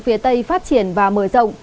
phía tây phát triển và mờ rộng